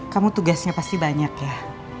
kamu tugasnya pasti banyak ya